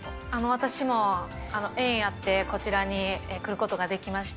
私も縁あってこちらに来ることができました。